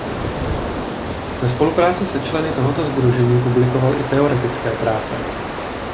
Ve spolupráci se členy tohoto sdružení publikoval i teoretické práce.